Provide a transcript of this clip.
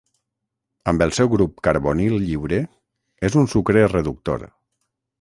Amb el seu grup carbonil lliure, és un sucre reductor.